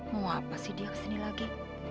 mau apa sih dia kesini lagi